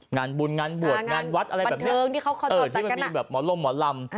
งานบุญงานบวชงานวัดอะไรแบบนี้ที่มันมีแบบหมอลมหมอลำ